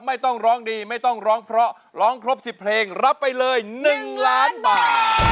ไม่ต้องร้องดีไม่ต้องร้องเพราะร้องครบ๑๐เพลงรับไปเลย๑ล้านบาท